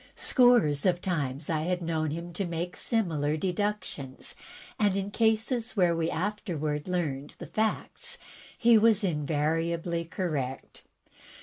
Scores of times I had known him to make similar deductions, and in cases where we afterward learned the facts, he was invariably correct.